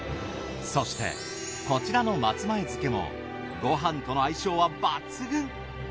そしてこちらの松前漬けもご飯との相性は抜群。